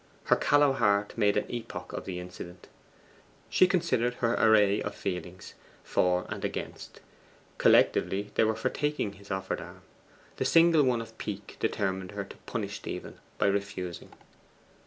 Her callow heart made an epoch of the incident; she considered her array of feelings, for and against. Collectively they were for taking this offered arm; the single one of pique determined her to punish Stephen by refusing.